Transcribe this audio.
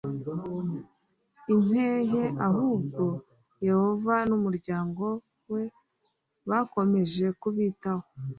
impehe ahubwo yehova n umuryango we bakomeje kubitaho